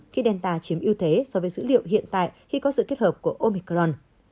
khi delta chiếm ưu thế so với dữ liệu hiện tại khi có sự kết hợp của omicron